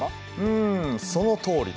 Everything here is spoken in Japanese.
んそのとおりだ。